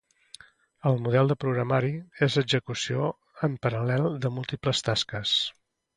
El model de programari és execució en paral·lel de múltiples tasques.